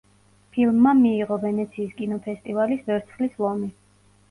ფილმმა მიიღო ვენეციის კინოფესტივალის ვერცხლის ლომი.